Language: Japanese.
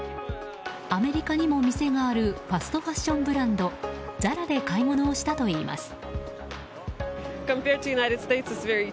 アメリカにも店があるファストファッションブランドＺＡＲＡで買い物をしたといいます。